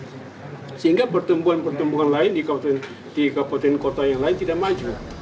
sehingga pertumbuhan pertumbuhan lain di kabupaten kota yang lain tidak maju